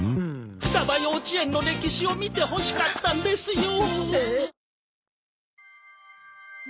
ふたば幼稚園の歴史を見てほしかったんですよ。